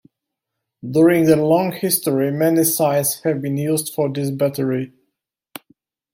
During their long history, many sites have been used for this battery.